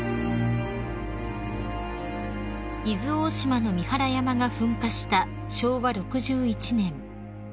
［伊豆大島の三原山が噴火した昭和６１年］